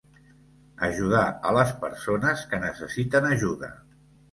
Ajudar a les persones que necessiten ajuda.